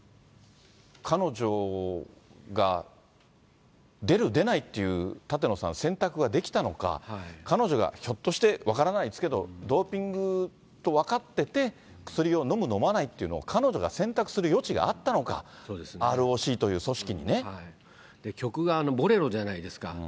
彼女が出る、出ないっていう、舘野さん、選択ができたのか、彼女がひょっとして、分からないですけど、ドーピングと分かってて、薬を飲む、飲まないっていうのを彼女が選択する余地があったのか、曲がボレロじゃないですか。